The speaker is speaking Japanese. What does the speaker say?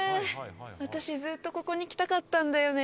私ずっとここに来たかったんだよね。